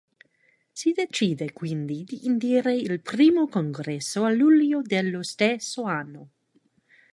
Si decide quindi di indire il primo congresso a luglio dello stesso anno.